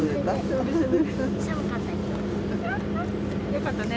よかったね。